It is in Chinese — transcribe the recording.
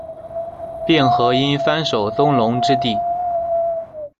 并河因幡守宗隆之弟。